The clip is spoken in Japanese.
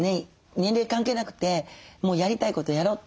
年齢関係なくてもうやりたいことやろうって。